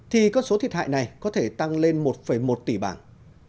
thì con số thiệt hại này có thể tăng lên một một tỷ bảng